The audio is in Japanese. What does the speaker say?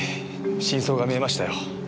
真相が見えましたよ。